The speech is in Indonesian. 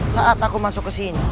saat aku masuk kesini